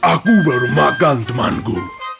aku baru makan temanku